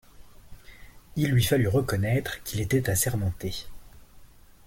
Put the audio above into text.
Il lui fallut reconnaître qu'il était assermenté.